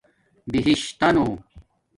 بہشتݳنو